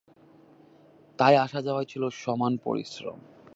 তাই আসা-যাওয়ায় ছিল সমান পরিশ্রম।